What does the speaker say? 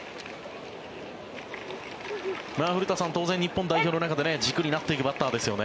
古田さん、当然日本代表の中で軸になっていくバッターですよね。